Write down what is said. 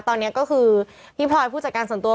ตอนนี้ก็คือพี่พลอยผู้จัดการส่วนตัว